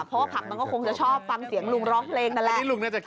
เพราะว่าผักมันก็คงจะชอบฟังเสียงลุงร้องเพลงนั่นแหละ